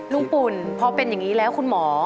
ปุ่นพอเป็นอย่างนี้แล้วคุณหมอ